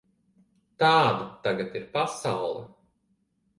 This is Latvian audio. Tāda tagad ir pasaule.